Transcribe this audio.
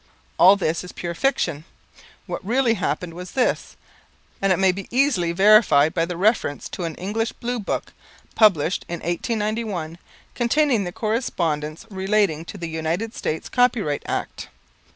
All this is pure fiction. What really happened was this, and it may be easily verified by reference to an English Blue Book, published in 1891, containing the correspondence relating to the "United States Copyright Act."